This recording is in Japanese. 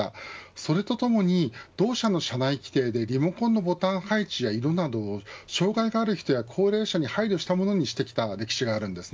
それとともに同社の社内規定でリモコンのボタン配置や色などを障害がある人や高齢者に配慮したものにしてきた歴史があります。